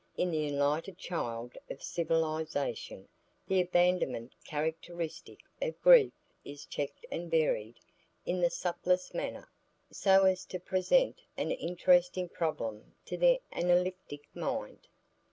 In the enlightened child of civilisation the abandonment characteristic of grief is checked and varied in the subtlest manner, so as to present an interesting problem to the analytic mind.